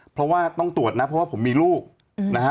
เพราะว่าต้องตรวจนะเพราะว่าผมมีลูกนะฮะ